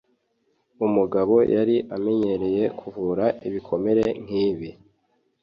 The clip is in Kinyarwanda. Umugabo yari amenyereye kuvura ibikomere nkibi.